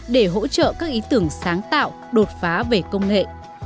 để hỗ trợ các ý tưởng sáng tạo đột phá về công nghệ